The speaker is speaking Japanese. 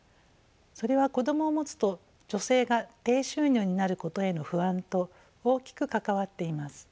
それは子どもを持つと女性が低収入になることへの不安と大きく関わっています。